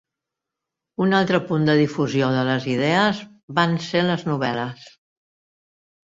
Un altre punt de difusió de les idees van ser les novel·les.